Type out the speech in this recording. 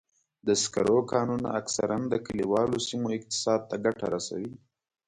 د سکرو کانونه اکثراً د کلیوالو سیمو اقتصاد ته ګټه رسوي.